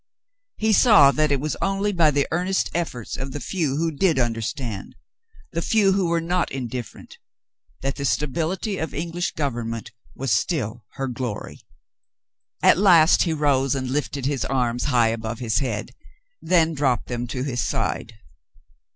He saw that it was only by the earnest efforts of the few who did understand — the few who were not indiffer ent — that the stabihty of EngHsh government was still her glory. At last he rose and lifted his arms high above his head, then dropped them to his side.